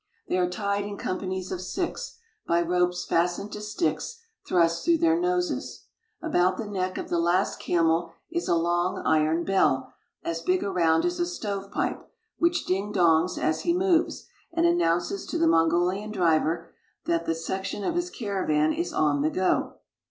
They are tied in companies of six, by ropes fas tened to sticks thrust through their noses. About the neck of the last camel is a long iron bell as big around as a stovepipe, which dingdongs as he moves, and announces ^1 ♦. 1^1 .p mium in single file —" to the Mongolian driver that that section of his caravan is on the go.